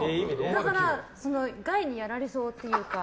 だから害にやられそうっていうか。